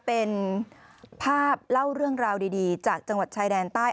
เป็นภาพเล่าเรื่องราวดีจากจังหวัดชายแดนใต้